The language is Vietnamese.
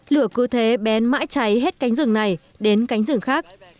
lửa cứ thế bén mãi cháy hết cánh rừng này đến cánh rừng khác